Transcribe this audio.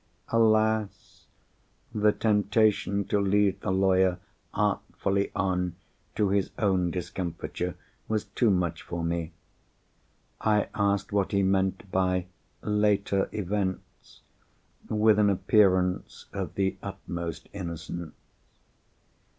Alas! the temptation to lead the lawyer artfully on to his own discomfiture was too much for me. I asked what he meant by "later events"—with an appearance of the utmost innocence.